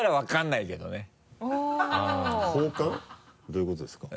どういうことですか？